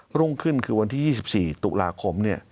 รุ่งขึ้นคือวันที่๒๔ตุลาคม